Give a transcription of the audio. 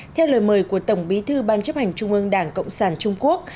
theo lời mời của tổng bí thư ban chấp hành trung ương đảng cộng sản trung quốc